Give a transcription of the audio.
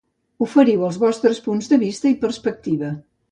Oferiu els vostres punts de vista i perspectiva.